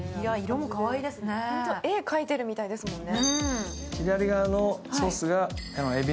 絵描いているみたいですもんね。